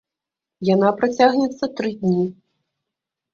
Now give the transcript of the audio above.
Яна працягнецца тры дні.